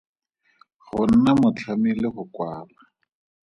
Go nna motlhami le go kwala.